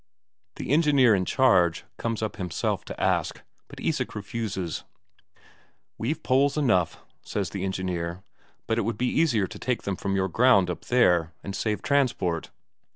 The engineer in charge comes up himself to ask, but Isak refuses. "We've poles enough," says the engineer, "but it would be easier to take them from your ground up there, and save transport."